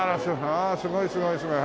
ああすごいすごいすごい。